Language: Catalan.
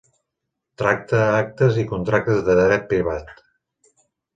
Tracta actes i contractes de dret privat.